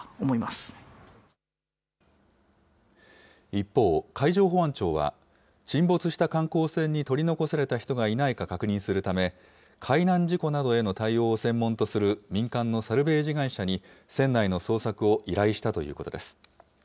一方、海上保安庁は、沈没した観光船に取り残された人がいないか確認するため、海難事故などへの対応を専門とする民間のサルベージ会社に、船内の捜索を依頼したということです。